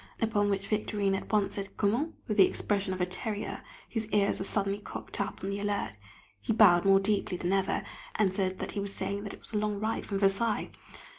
Upon which Victorine at once said, "Comment?" with the expression of a terrier whose ears are suddenly cocked up on the alert. He bowed more deeply than ever, and said that he was saying it was a long ride from Versailles!